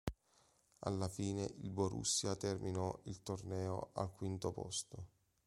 Alla fine il Borussia terminò il torneo al quinto posto.